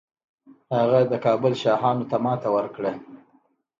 هغه د کابل شاهانو ته ماتې ورکړه